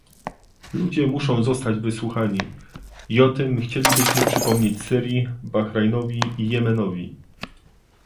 Ludzie muszą zostać wysłuchani, i o tym chcielibyśmy przypomnieć Syrii, Bahrajnowi i Jemenowi